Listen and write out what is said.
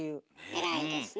偉いですね。